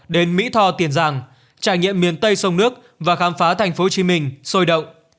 đến mỹ tho tiền giang trải nghiệm miền tây sông nước và khám phá thành phố hồ chí minh sôi động